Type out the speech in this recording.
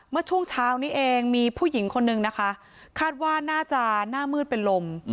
เมื่อช่วงเช้านี้เองมีผู้หญิงคนนึงนะคะคาดว่าน่าจะหน้ามืดเป็นลม